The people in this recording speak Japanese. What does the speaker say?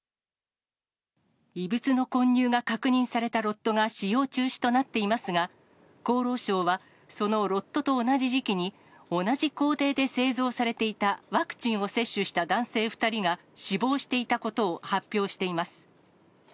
異物の混入が確認されたロットが使用中止となっていますが、厚労省は、そのロットと同じ時期に、同じ工程で製造されていたワクチンを接種した男性２人が死亡していたことを発表しています。